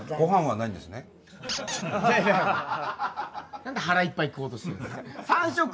何で腹いっぱい食おうとしてるんですか。